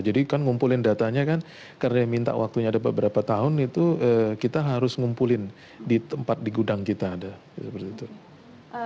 jadi kan ngumpulin datanya kan karena minta waktunya ada beberapa tahun itu kita harus ngumpulin di tempat di gudang kita ada